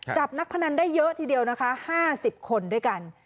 จับนักพนันได้เยอะทีเดียวนะคะ๕๐คนด้วยกัน